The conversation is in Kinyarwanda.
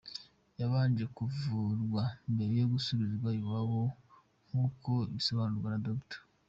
Yabanje kuvurwa mbere yo gusubizwa iwabo nk’uko bisobanurwa na Dr.